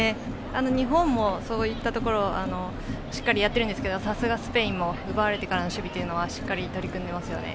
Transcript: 日本もそういったところはしっかりやっているんですがさすが、スペインも奪われてからの守備はしっかり取り組んでいますよね。